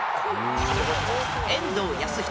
遠藤保仁。